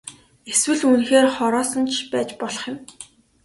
Эсвэл үнэхээр хороосон ч байж болох юм.